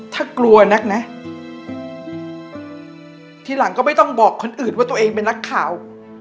ถ้ากลัวนักนะทีหลังก็ไม่ต้องบอกคนอื่นว่าตัวเองเป็นนักข่าว